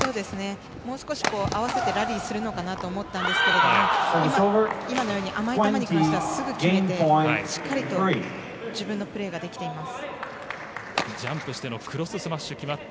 もう少し合わせてラリーするのかなと思ったんですけども今のように甘い球に関してはすぐ決めて、しっかりと自分のプレーができています。